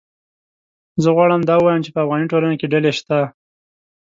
زه غواړم دا ووایم چې په افغاني ټولنه کې ډلې شته